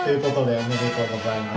ありがとうございます。